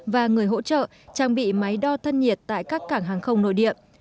và người hỗ trợ trang bị máy đo thân nhiệt tại các cảng hàng không nội địa